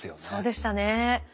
そうでしたね。